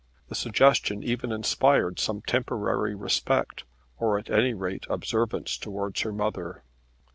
The suggestion even inspired some temporary respect, or at any rate observance, towards her mother.